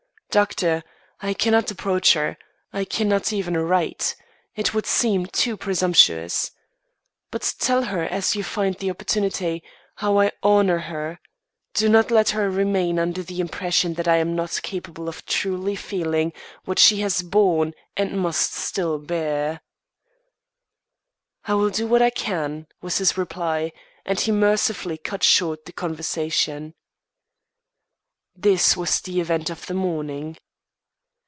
"Doctor, I cannot approach her; I cannot even write, it would seem too presumptuous. But tell her, as you find the opportunity, how I honour her. Do not let her remain under the impression that I am not capable of truly feeling what she has borne and must still bear." "I will do what I can," was his reply, and he mercifully cut short the conversation. This was the event of the morning.